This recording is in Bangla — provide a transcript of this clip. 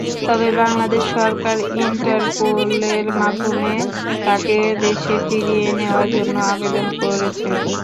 তবে বাংলাদেশ সরকার ইন্টারপোলের মাধ্যমে তাঁকে দেশে ফিরিয়ে নেওয়ার জন্য আবেদন করেছে।